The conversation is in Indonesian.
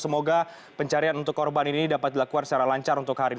semoga pencarian untuk korban ini dapat dilakukan secara lancar untuk hari ini